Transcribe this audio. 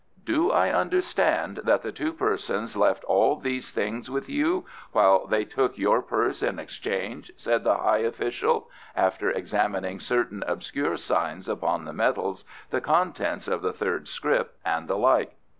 "Do I understand that the two persons left all these things with you, while they took your purse in exchange?" said the high official, after examining certain obscure signs upon the metals, the contents of the third scrip, and the like.